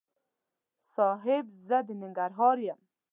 صاحب! زه د ننګرهار یم.